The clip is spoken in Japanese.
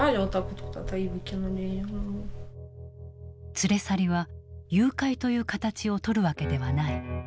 連れ去りは誘拐という形をとるわけではない。